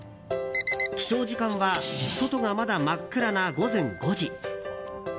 起床時間は外がまだ真っ暗な午前５時。